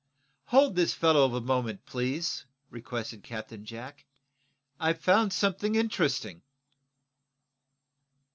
"Hold this fellow a moment, please," requested Captain Jack. "I've found something interesting."